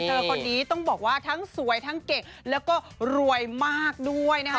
คนนี้ต้องบอกว่าทั้งสวยทั้งเก่งแล้วก็รวยมากด้วยนะคะ